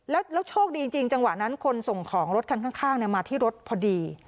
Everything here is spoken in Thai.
แล้วโชคดีจริงจังหวะนั้นคนส่งของรถคันข้างมาที่รถพอดี